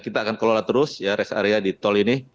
kita akan kelola terus res area di tol ini